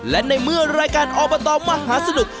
และในเมื่อรายการอบตมหาสนุก